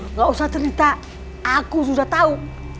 nggak usah cerita aku sudah tahu